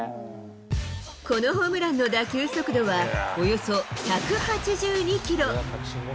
このホームランの打球速度は、およそ１８２キロ。